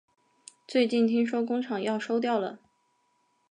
最近听说工厂要收掉了